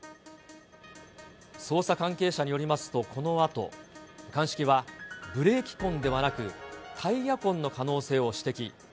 捜査関係者によりますと、この跡、鑑識は、ブレーキ痕ではなく、タイヤ痕の可能性を指摘。